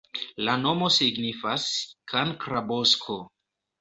La nomo signifas: kankra-bosko.